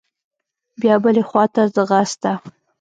بيا بلې خوا ته ځغسته.